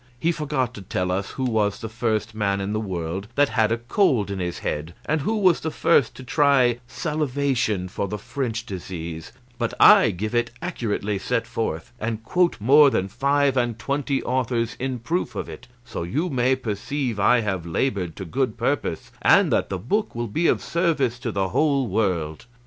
He forgot to tell us who was the first man in the world that had a cold in his head, and who was the first to try salivation for the French disease, but I give it accurately set forth, and quote more than five and twenty authors in proof of it, so you may perceive I have laboured to good purpose and that the book will be of service to the whole world."